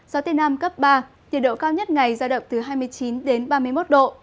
gió tây nam cấp ba nhiệt độ cao nhất ngày giao động từ hai mươi chín đến ba mươi một độ